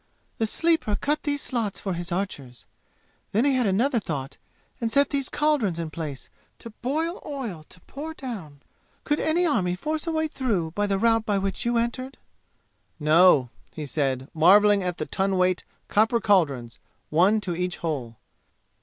"The Sleeper cut these slots for his archers. Then he had another thought and set these cauldrons in place, to boil oil to pour down. Could any army force a way through by the route by which you entered?" "No," he said, marveling at the ton weight copper cauldrons, one to each hole.